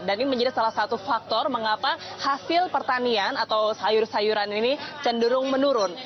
dan ini menjadi salah satu faktor mengapa hasil pertanian atau sayur sayuran ini cenderung menurun